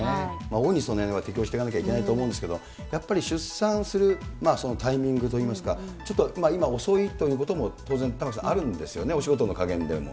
大いにそのへんは適合してかなきゃいけないと思うんですけど、やっぱり出産する、タイミングといいますか、ちょっと今遅いということも当然、玉城さんあるんですよね、お仕事の加減でも。